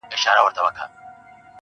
که په ژړا کي مصلحت وو، خندا څه ډول وه~